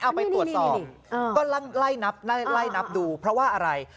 เอาไปตรวจสอบก็ไล่นับไล่นับดูเพราะว่าอะไร